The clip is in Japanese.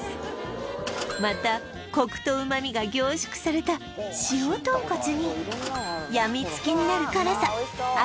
またコクと旨味が凝縮された塩豚骨に病みつきになる辛さ嵐